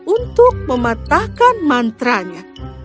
untuk mematahkan mantranya